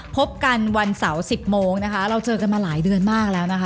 พบกันวันเสาร์๑๐โมงนะคะเราเจอกันมาหลายเดือนมากแล้วนะคะ